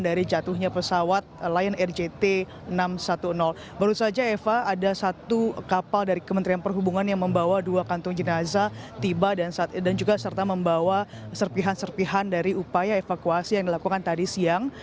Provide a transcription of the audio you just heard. dari jatuhnya pesawat lion air jt enam ratus sepuluh baru saja eva ada satu kapal dari kementerian perhubungan yang membawa dua kantung jenazah tiba dan juga serta membawa serpihan serpihan dari upaya evakuasi yang dilakukan tadi siang